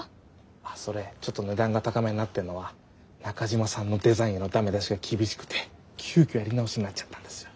あっそれちょっと値段が高めになってんのは中島さんのデザインへのダメ出しが厳しくて急きょやり直しになっちゃったんですよ。